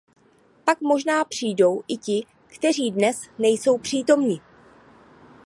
Pak možná přijdou i ti, kteří dnes nejsou přítomni.